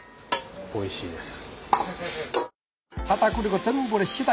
おいしいです。